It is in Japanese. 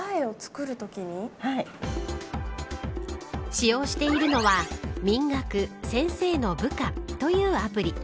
使用しているのはみんがく先生のＢＵＫＡというアプリ。